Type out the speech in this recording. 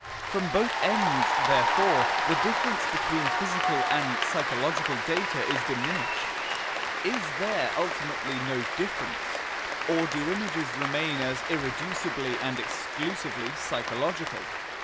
From both ends, therefore, the difference between physical and psychological data is diminished. Is there ultimately no difference, or do images remain as irreducibly and exclusively psychological?